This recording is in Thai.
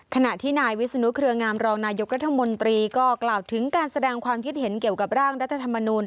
ขณะที่นายวิศนุเครืองามรองนายกรัฐมนตรีก็กล่าวถึงการแสดงความคิดเห็นเกี่ยวกับร่างรัฐธรรมนูล